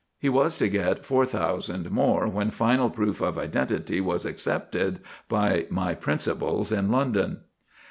He was to get four thousand more when final proof of identity was accepted by my principals in London."